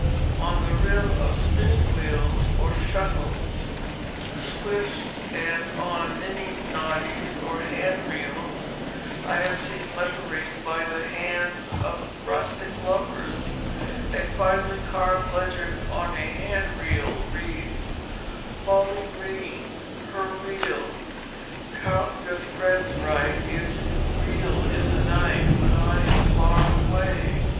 On the rim of spinning wheels, on shuttles, swifts, and on niddy noddys or hand reels I have seen lettering by the hands of rustic lovers. A finely carved legend on a hand reel reads: "POLLY GREENE, HER REEL. Count your threads right If you reel in the night When I am far away.